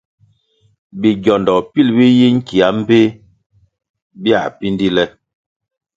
Bigiondo pil bi yi nkia mbpéh biãh píndí le.